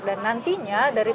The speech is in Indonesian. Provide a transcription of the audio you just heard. dan nantinya dari